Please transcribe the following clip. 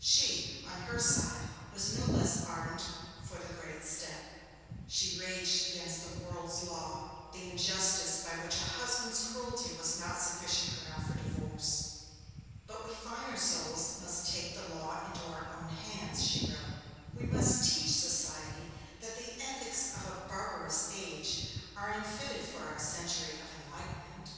She, on her side, was no less ardent for the great step. She raged against the world's law, the injustice by which a husband's cruelty was not sufficient ground for divorce. 'But we finer souls must take the law into our own hands,' she wrote. 'We must teach society that the ethics of a barbarous age are unfitted for our century of enlightenment.'